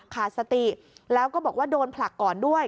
ขาดสติแล้วก็บอกว่าโดนผลักก่อนด้วย